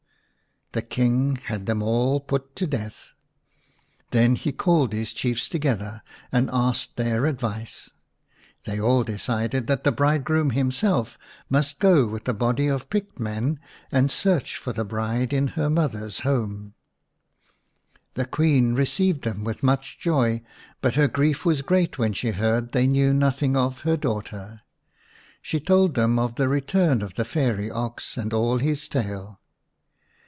The King had them all put to death. Then he //called his Chiefs together and asked their advice. They all decided that the bridegroom himself must go with a body of picked men and search for the bride in her mother's home/' The Queen received them with much joy, but her grief was great when she heard they knew nothing of her daughters/She told them of the return of the fairy ox/aiTd all his tale.